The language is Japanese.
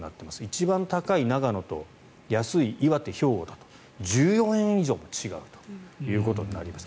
一番高い長野と安い岩手、兵庫だと１４円以上も違うということになります。